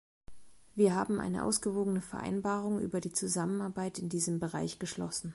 Wir haben eine ausgewogene Vereinbarung über die Zusammenarbeit in diesem Bereich geschlossen.